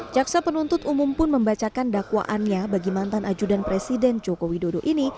jaksa penuntut umum pun membacakan dakwaannya bagi mantan ajudan presiden joko widodo ini